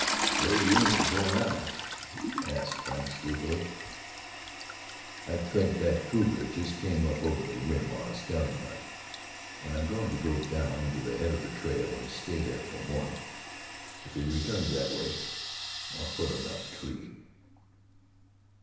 "Where you oozin' for now?" asked Frank, sleepily. "I think that cougar just came up over the rim on a scouting hunt, and I'm going to go down to the head of the trail and stay there till morning. If he returns that way, I'll put him up a tree."